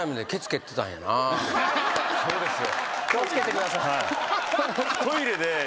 そうですよ。